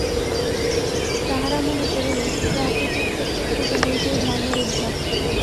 তাহারা মনে করিল, প্রাকৃতিক শক্তির পূজা হইতেই ধর্মের উদ্ভব।